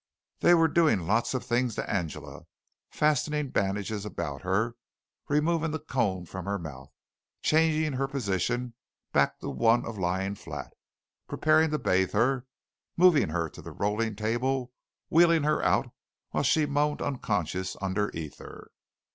They were doing lots of things to Angela, fastening bandages about her, removing the cone from her mouth, changing her position back to one of lying flat, preparing to bathe her, moving her to the rolling table, wheeling her out while she moaned unconscious under ether.